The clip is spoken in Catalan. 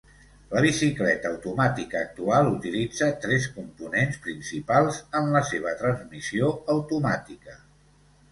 La bicicleta automàtica actual utilitza tres components principals en la seva transmissió automàtica.